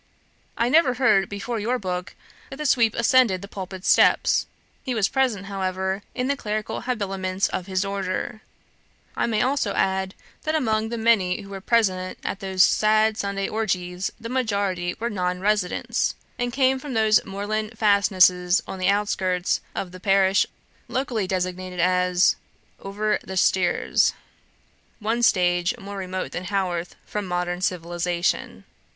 I never heard before your book that the sweep ascended the pulpit steps. He was present, however, in the clerical habiliments of his order ... I may also add that among the many who were present at those sad Sunday orgies the majority were non residents, and came from those moorland fastnesses on the outskirts of the parish locally designated as 'ovver th' steyres,' one stage more remote than Haworth from modern civilization.